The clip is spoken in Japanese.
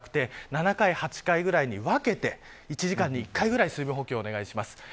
これをまとめて取るのではなく７回、８回ぐらいに分けて１時間に１回ぐらい水分補給をお願いします。